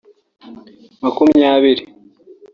makumyabili